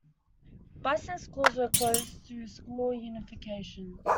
Bison schools were closed through school unification.